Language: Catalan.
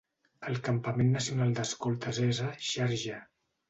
El campament nacional d'escoltes és a Xarjah.